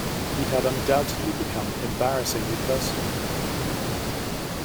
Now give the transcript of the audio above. He had undoubtedly become embarrassingly personal.